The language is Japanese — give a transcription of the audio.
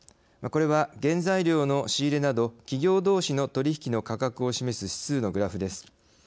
これは原材料の仕入れなど企業どうしの取り引きの価格を示す指数のグラフです。